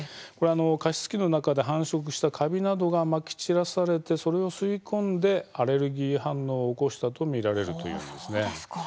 加湿器の中で繁殖したカビなどがまき散らされて、それを吸い込みアレルギー反応を起こしたと見られるというのです。